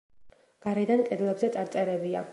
გარედან კედლებზე წარწერებია.